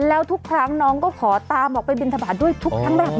แล้วทุกครั้งน้องก็ขอตามออกไปบินทบาทด้วยทุกครั้งแบบนี้